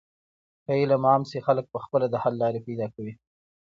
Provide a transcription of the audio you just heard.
که علم عام شي، خلک په خپله د حل لارې پیدا کوي.